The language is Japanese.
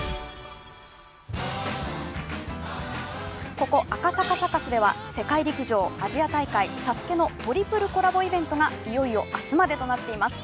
ここ赤坂サカスでは世界陸上・アジア大会・ＳＡＳＵＫＥのトリプルコラボイベントがいよいよ明日までとなっています。